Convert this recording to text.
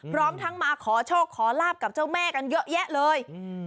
พร้อมทั้งมาขอโชคขอลาบกับเจ้าแม่กันเยอะแยะเลย